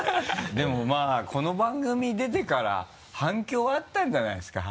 でもまぁこの番組出てから反響あったんじゃないですか？